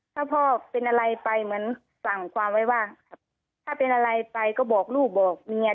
ถ้าพ่อเป็นอะไรไปเหมือนสั่งความไว้ว่าถ้าเป็นอะไรไปก็บอกลูกบอกเมีย